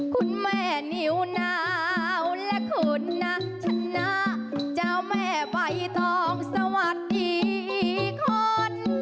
คุณแม่นิวหนาวและคุณนะชนะเจ้าแม่ใบทองสวัสดีคน